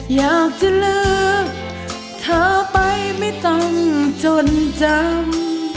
อยากจะเลิกเธอไปไม่ต้องจนจำ